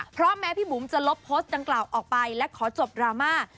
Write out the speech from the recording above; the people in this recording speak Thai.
เพราะแม้พี่บุ๋มจะลบโพสต์ดังกล่าวออกไปและขอจบดราม่า